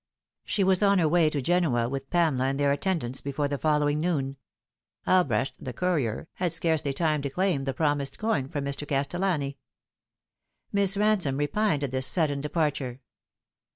She was on her way to Genoa with Pamela and their attend ants before the following noon. Albrecht, the courier, had scarcely time to cluim the promised coin from Mr. Castellani. Miss Ransome repined at this sudden departure.